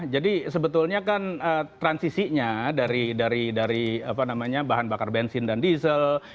jadi sebetulnya kan transisinya dari bahan bakar bensin dan diesel